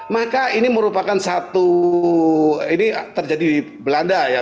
maka ini merupakan satu ini terjadi di belanda ya